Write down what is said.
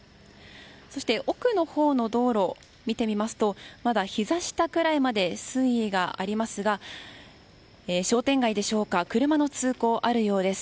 そして奥のほうの道路を見てみますとまだ、ひざ下ぐらいまで水位がありますが商店街でしょうか車の通行があるようです。